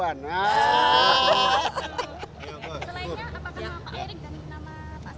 selainnya apakah pak erik dan nama pak sandiaga juga ada